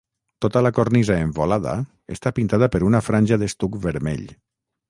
Tota la cornisa envolada està pintada per una franja d'estuc vermell.